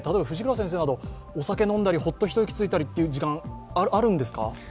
先生など、お酒飲んだり、ほっと一息ついたりする時間はあるんですか？